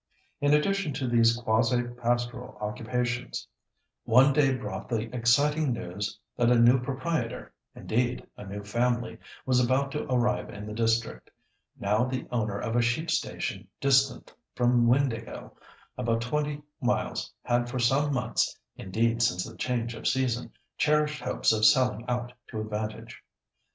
In addition to these quasi pastoral occupations, one day brought the exciting news that a new proprietor—indeed a new family—was about to arrive in the district—now the owner of a sheep station distant from Windāhgil about twenty miles had for some months, indeed since the change of season, cherished hopes of selling out to advantage.